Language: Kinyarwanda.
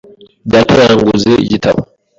Data yanguze ibitabo.